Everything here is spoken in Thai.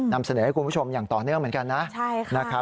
นำเสนอให้คุณผู้ชมอย่างต่อเนื่องเหมือนกันนะ